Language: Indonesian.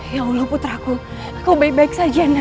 ya allah putraku aku baik baik saja nak